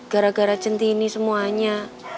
gara gara cintinny semuanya